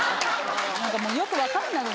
何かもうよく分かんない。